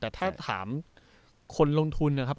แต่ถ้าถามคนลงทุนนะครับ